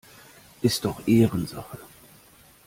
Ist doch Ehrensache!